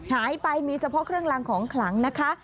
หายไปมีเฉพาะเครื่องรางของขลังนะคะ